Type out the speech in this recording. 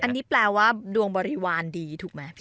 อันนี้แปลว่าดวงบริวารดีถูกไหมพี่